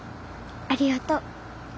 ありがとう。